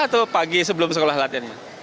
atau pagi sebelum sekolah latihan